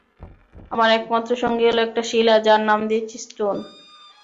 আমার একমাত্র সঙ্গী হল একটা শিলা যার নাম দিয়েছি স্টোন।